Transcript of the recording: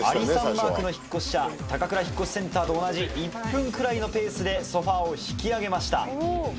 マークの引越社たかくら引越センターと同じ１分くらいのペースでソファを引き上げました・